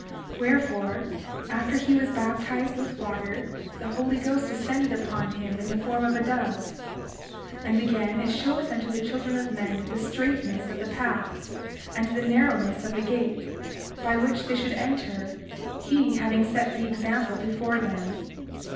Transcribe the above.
31:8 Wherefore, after he was baptized with water the Holy Ghost descended upon him in the form of a dove. 31:9 And again, it showeth unto the children of men the straightness of the path, and the narrowness of the gate, by which they should enter, he having set the example before them.